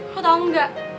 lo tau gak